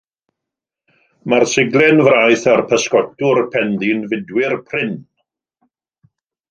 Mae'r Siglen Fraith a'r Pysgotwr penddu'n fudwyr prin.